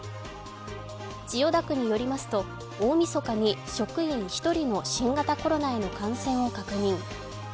千代田区によりますと、大みそかに職員１人の新型コロナへの感染を確認。